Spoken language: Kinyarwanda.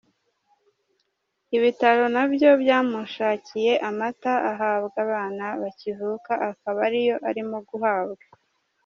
Ibitaro nabyo byamushakiye amata ahabwa abana bakivuka, akaba ariyo arimo guhabwa.